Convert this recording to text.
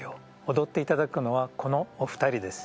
踊っていただくのはこのお二人です。